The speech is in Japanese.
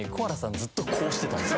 ずっとこうしてたんですよ